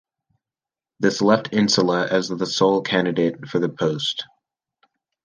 This left Insulza as the sole candidate for the post.